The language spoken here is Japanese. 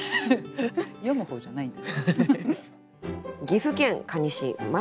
詠む方じゃないんだ。